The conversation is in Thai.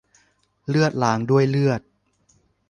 เลือดล้างด้วยเลือด